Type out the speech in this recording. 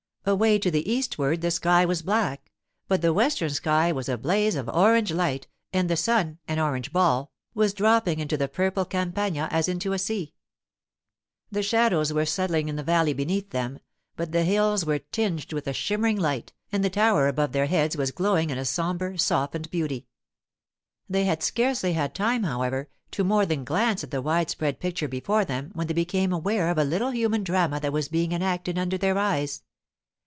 Away to the eastward the sky was black, but the western sky was a blaze of orange light, and the sun, an orange ball, was dropping into the purple Campagna as into a sea. The shadows were settling in the valley beneath them, but the hills were tinged with a shimmering light, and the tower above their heads was glowing in a sombre, softened beauty. They had scarcely had time, however, to more than glance at the wide spread picture before them when they became aware of a little human drama that was being enacted under their eyes.